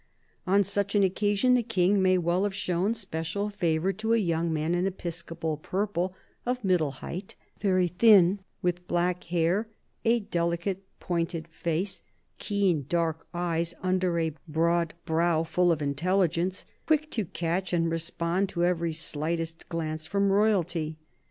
On such an occasion the King may well have shown special favour to a young man in episcopal purple, of middle height, very thin, with black hair, a delicate, pointed face, keen dark eyes, under a broad brow full of intelligence, quick to catch and respond to every slightest glance from Royalty.